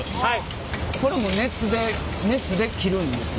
これも熱で切るんですか？